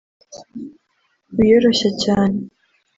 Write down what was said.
wiyoroshya cyane